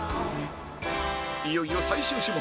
いよいよ最終種目